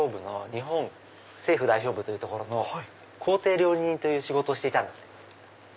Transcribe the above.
日本政府代表部の公邸料理人という仕事をしていたんです。